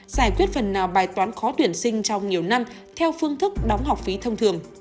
giải quyết phần nào bài toán khó tuyển sinh trong nhiều năm theo phương thức đóng học phí thông thường